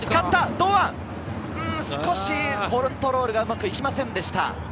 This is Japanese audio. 堂安、少しコントロールがうまくいきませんでした。